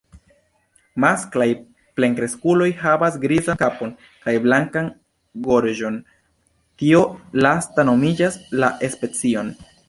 Masklaj plenkreskuloj havas grizan kapon kaj blankan gorĝon, tio lasta nomigas la specion.